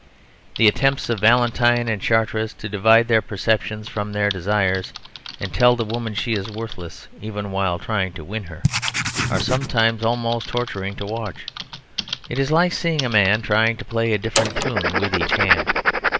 The attempts of Valentine and Charteris to divide their perceptions from their desires, and tell the woman she is worthless even while trying to win her, are sometimes almost torturing to watch; it is like seeing a man trying to play a different tune with each hand.